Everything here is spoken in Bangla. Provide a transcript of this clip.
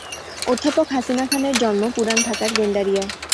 অধ্যাপক হাসিনা খানের জন্ম পুরান ঢাকার গেন্ডারিয়ায়।